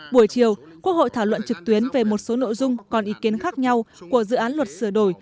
buổi chiều quốc hội thảo luận trực tuyến về một số nội dung còn ý kiến khác nhau của dự án luật sửa đổi